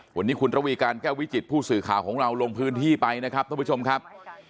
วันนี้คุณระวีการแก้ววิจิตผู้สื่อข่าวของเราลงพื้นที่ไปนะครับท่านผู้ชมครับ